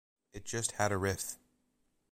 It just had a riff.